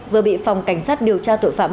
vừa bị phòng cảnh sát điều tra tội phạm